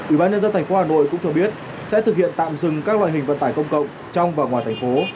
ủy ban nhân dân tp hà nội cũng cho biết sẽ thực hiện tạm dừng các loại hình vận tải công cộng trong và ngoài thành phố